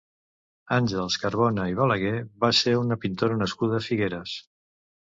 Àngels Carbona i Balaguer va ser una pintora nascuda a Figueres.